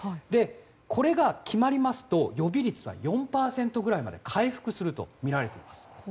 これが決まりますと予備率は４％ぐらいまで回復するとみられています。